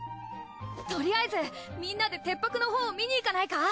とりあえずみんなで鉄博のほうを見に行かないか？